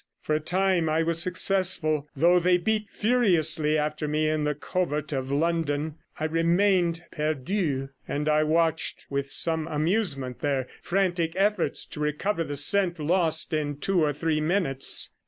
For a time I was successful; though they beat furiously after me in the covert of London, I remained perdu, and watched with some amusement their frantic efforts to recover the scent lost in two or three minutes.